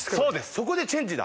そこでチェンジだ。